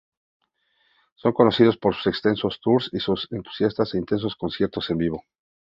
Son Conocidos por sus extensos tours y sus entusiastas e intensos conciertos en vivo.